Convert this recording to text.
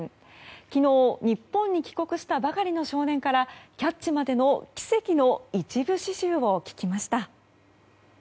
昨日、日本に帰国したばかりの少年からキャッチまでの奇跡の一部始終を聞きました。